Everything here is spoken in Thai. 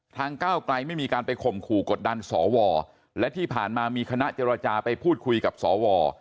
ก้าวไกลไม่มีการไปข่มขู่กดดันสวและที่ผ่านมามีคณะเจรจาไปพูดคุยกับสว